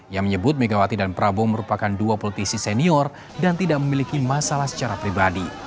yang menyebut megawati dan prabowo merupakan dua politisi senior dan tidak memiliki masalah secara pribadi